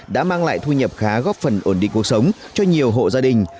đã mang lại thu nhập khá góp phần ổn định cuộc sống cho nhiều hộ gia đình